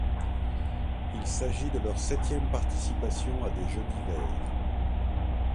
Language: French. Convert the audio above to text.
Il s'agit de leur septième participation à des Jeux d'hiver.